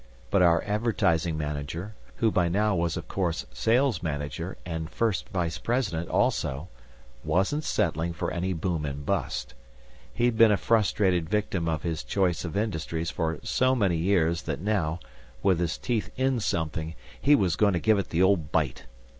But our Advertising Manager, who by now was of course Sales Manager and First Vice President also, wasn't settling for any boom and bust. He'd been a frustrated victim of his choice of industries for so many years that now, with his teeth in something, he was going to give it the old bite.